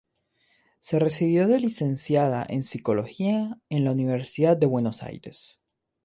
Se recibió de licenciada en Psicología en la Universidad de Buenos Aires.